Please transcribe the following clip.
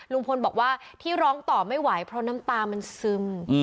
ลุงพลบอกว่าที่ร้องต่อไม่ไหวเพราะน้ำตามันซึม